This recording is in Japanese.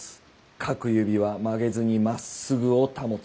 各指は曲げずに真っ直ぐを保つ。